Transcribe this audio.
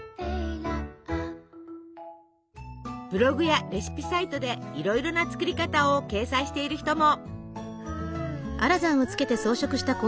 ブログやレシピサイトでいろいろな作り方を掲載している人も！